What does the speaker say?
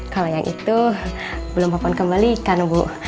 kalau yang itu belum papan kembalikan bu